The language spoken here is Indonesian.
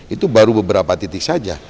itu baru beberapa titik saja